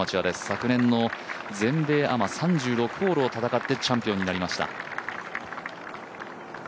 昨年の全米アマ３６ホールを戦ってチャンピオンになりました。